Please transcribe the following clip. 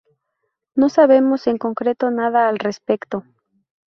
No sabemos en concreto nada al respecto.